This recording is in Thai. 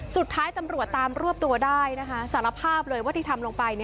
สุดท้ายตำรวจตามรวบตัวได้นะคะสารภาพเลยว่าที่ทำลงไป